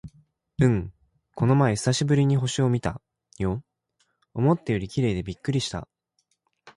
うん、この前久しぶりに星を見たよ。思ったより綺麗でびっくりした！